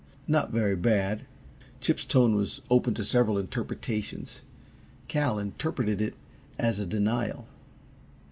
"Not very bad," Chip's tone was open to several interpretations. Cal interpreted it as a denial.